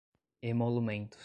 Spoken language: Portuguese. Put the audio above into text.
emolumentos